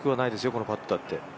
このパットだって。